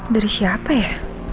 dari siapa ya